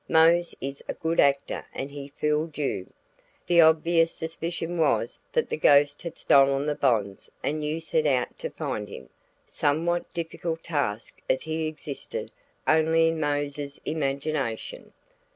Mose is a good actor and he fooled you. The obvious suspicion was that the ghost had stolen the bonds and you set out to find him a somewhat difficult task as he existed only in Mose's imagination.